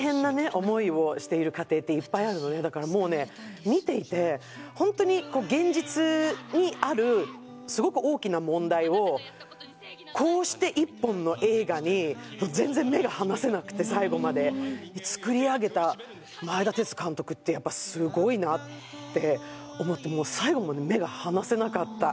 思いをしている家庭っていっぱいあるのねだからもうね見ていてホントに現実にあるすごく大きな問題をこうして一本の映画に全然目が離せなくて最後まで作り上げた前田哲監督ってやっぱすごいなって思って最後まで目が離せなかった